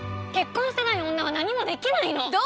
結婚してない女は何もできないの！